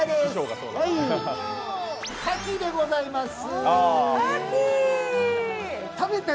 かきでございます。